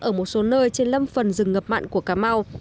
ở một số nơi trên lâm phần rừng ngập mặn của cà mau